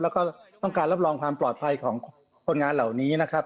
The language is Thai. แล้วก็ต้องการรับรองความปลอดภัยของคนงานเหล่านี้นะครับ